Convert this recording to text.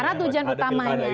karena tujuan utamanya